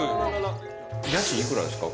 家賃いくらですか？